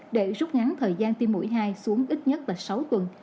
để rút ngắn thời gian tiêm mũi hai xuống ít nhất là sáu tuần